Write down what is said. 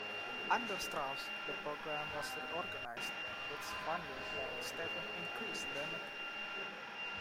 Under Strauss the program was reorganized, and its funding and staffing increased dramatically.